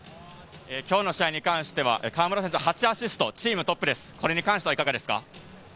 今日の試合に関しては河村選手、８アシストでチームトップです、いかがですか？